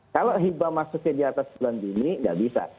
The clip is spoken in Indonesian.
kalau hibah masuknya di atas bulan juni nggak bisa